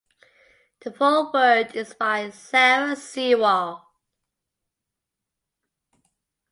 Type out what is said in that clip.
The foreword is by Sarah Sewall.